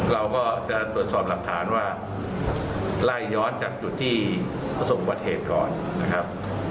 เราก็จะตรวจสอบหลักฐานว่าไลย้อนจากจุดที่ส่งประเทศก่อนนะครับ